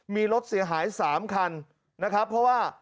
มีรถเสียหาย๓คันนะครับเพราะว่า